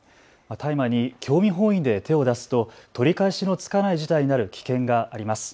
大麻に興味本位で手を出すと取り返しのつかない事態になる危険があります。